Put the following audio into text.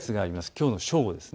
きょうの正午です。